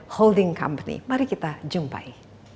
holding company mari kita jumpai